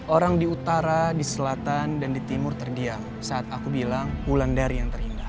orang di utara di selatan dan di timur terdiam saat aku bilang wulandari yang terhindar